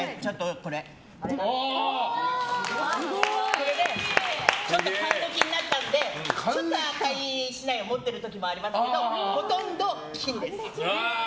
これで還暦になったのでちょっと赤い竹刀を持ってる時もありますけどほとんど金です。